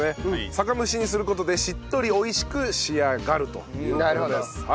酒蒸しにする事でしっとり美味しく仕上がるという事です。